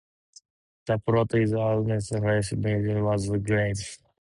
The plot is amidst French military war graves.